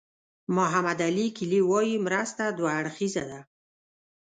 محمد علي کلي وایي مرسته دوه اړخیزه ده.